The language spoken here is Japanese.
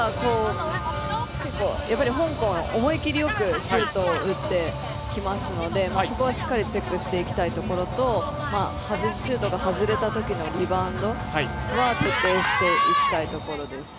香港思いっきりよくシュートを打ってきますので、そこはしっかりチェックしていきたいところとシュートが外れたときのリバウンドは徹底していきたいところです。